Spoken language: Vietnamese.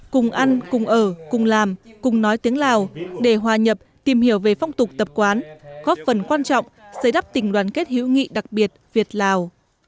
cùng ăn cùng ở cùng làm cùng nói tiếng lào để hòa nhập tìm hiểu về phong tục tập quán góp phần quan trọng giới đáp tình đoàn kết hữu nghị đặc biệt việt lào